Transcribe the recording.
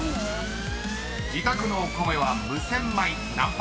［自宅のお米は無洗米何％か］